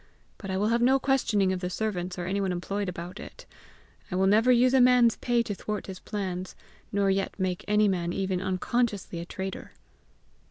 But I will have no questioning of the servants or anyone employed about it; I will never use a man's pay to thwart his plans, nor yet make any man even unconsciously a traitor."